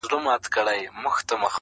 شالمار به په زلمیو هوسېږي٫